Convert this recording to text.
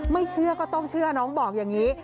เชื่อก็ต้องเชื่อน้องบอกอย่างนี้